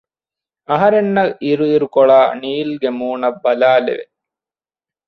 އަހަރެންނަށް އިރު އިރުކޮޅާ ނީލްގެ މޫނަށް ބަލާލެވެ